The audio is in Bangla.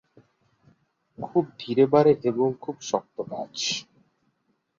খুব ধীরে বাড়ে এবং খুব শক্ত গাছ।